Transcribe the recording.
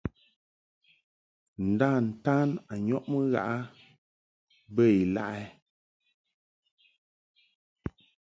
Nda-ntan a nyɔʼmɨ ghaʼ a bə ilaʼ ɛ ?